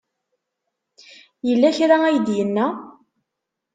Yella kra ay d-yenna?